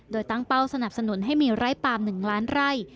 โดยตั้งเป้าสนับสนุนให้มีไร้ปาล์ม๑ล้านไร่